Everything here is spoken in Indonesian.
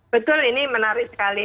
betul ini menarik sekali